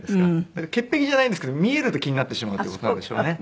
だから潔癖じゃないんですけど見えると気になってしまうっていう事なんでしょうね。